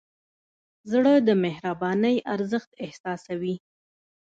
زړه د مهربانۍ ارزښت احساسوي.